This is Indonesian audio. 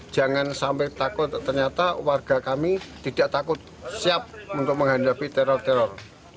jangan sampai takut ternyata warga kami tidak takut siap untuk menghadapi teror teror